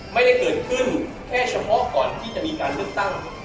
ไม่ได้เกิดขึ้นแค่เฉพาะก่อนที่จะมีการเลือกตั้ง